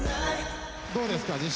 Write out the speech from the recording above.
どうですか？